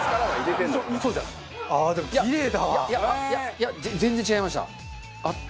いや全然違いました。